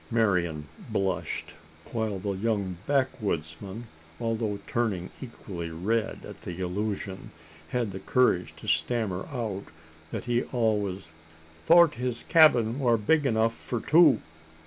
Marian blushed; while the young backwoodsman, although turning equally red at the allusion, had the courage to stammer out, that he always "thort his cabin war big enough for two."